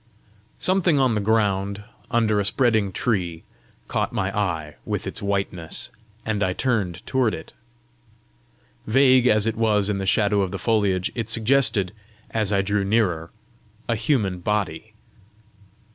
Something on the ground, under a spreading tree, caught my eye with its whiteness, and I turned toward it. Vague as it was in the shadow of the foliage, it suggested, as I drew nearer, a human body.